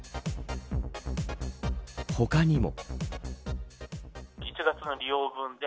他にも。